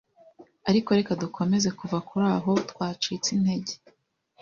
Ariko reka dukomeze kuva kuri aho twacitse integer